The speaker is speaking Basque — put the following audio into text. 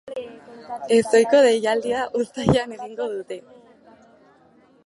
Ezohiko deialdia uztailean egingo dute.